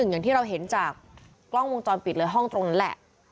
อย่างที่เราเห็นจากกล้องวงจรปิดเลยห้องตรงนั้นแหละ